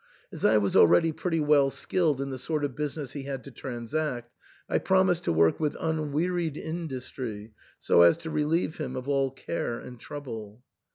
As I was already pretty well skilled in the sort of business he had to transact, I promised to work with unwearied industry, so as to relieve him of all care and trouble.